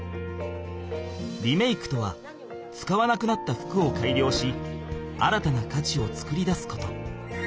リメイクとは使わなくなった服をかいりょうし新たなかちを作り出すこと。